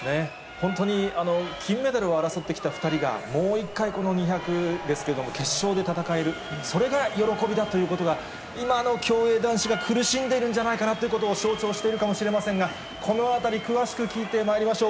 本当に金メダルを争ってきた２人が、もう一回、この２００ですけれども、決勝で戦える、それが喜びだということが、今の競泳男子が苦しんでるんじゃないかなということを象徴しているかもしれませんが、このあたり、詳しく聞いてまいりましょう。